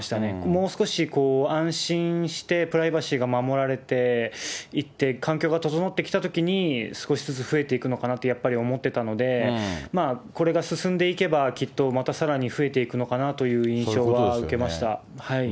もう少し安心して、プライバシーが守られていって、環境が整ってきたときに、少しずつ増えていくのかなって、やっぱり思ってたので、これが進んでいけば、きっとまたさらに増えていくのかなという印象は受けました。